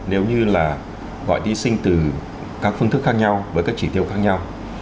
nếu như là gọi đi sinh từ các phương thức khác nhau với các chỉ tiêu khác nhau